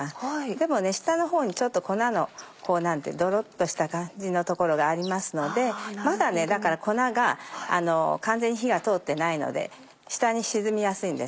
でもね下の方に粉のどろっとした感じの所がありますのでまだ粉が完全に火が通ってないので下に沈みやすいんです。